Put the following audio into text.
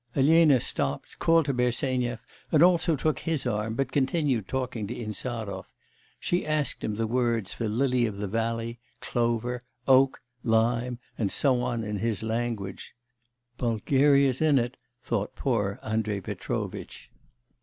Elena stopped, called to Bersenyev, and also took his arm, but continued talking to Insarov. She asked him the words for lily of the valley, clover, oak, lime, and so on in his language... 'Bulgaria's in it!' thought poor Andrei Petrovitch.